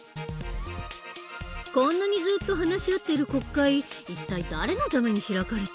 こんなにずっと話し合っている国会一体誰のために開かれてるの？